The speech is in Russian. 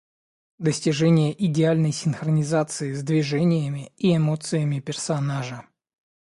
Достижение идеальной синхронизации с движениями и эмоциями персонажа.